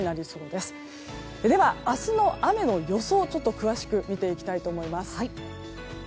では、明日の雨の予想を詳しく見ていきたいと思います。